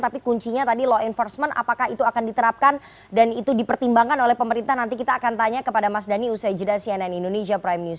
tapi kuncinya tadi law enforcement apakah itu akan diterapkan dan itu dipertimbangkan oleh pemerintah nanti kita akan tanya kepada mas dhani usai jeda cnn indonesia prime news